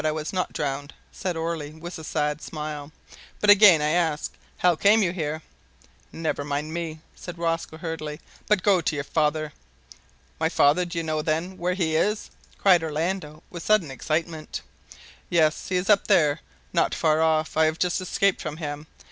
I was not drowned," said Orley, with a sad smile. "But again I ask, How came you here?" "Never mind me," said Rosco hurriedly, "but go to your father." "My father! Do you know, then, where he is?" cried Orlando, with sudden excitement. "Yes. He is up there not far off. I have just escaped from him.